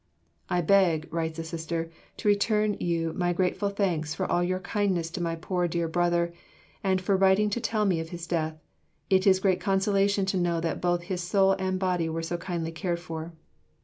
"I beg," writes a sister, "to return you my grateful thanks for all your kindness to my poor dear brother and for writing to tell me of his death. It is great consolation to know that both his soul and body were so kindly cared for."